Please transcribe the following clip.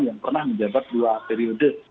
yang pernah menjabat dua periode